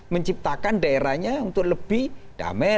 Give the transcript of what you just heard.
menciptakan daerahnya untuk lebih damai